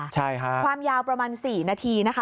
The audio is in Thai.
ใช่ค่ะความยาวประมาณ๔นาทีนะคะ